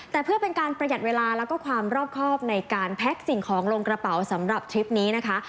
แต่เพื่อเป็นการประหยัดเวลาแล้วก็ความรอบครอบในการแพ็คสิ่งของลงกระเป๋าสำหรับทริปนี้นะคะ